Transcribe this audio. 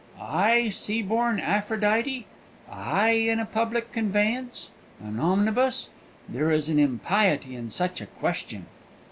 "I, sea born Aphrodite, I in a public conveyance, an omnibus? There is an impiety in such a question!"